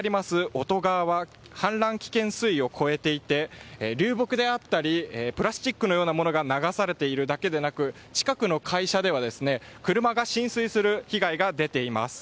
オト川は氾濫危険水位を超えていて流木であったりプラスチックのようなものが流されているだけでなく近くの会社では車が浸水する被害が出ています。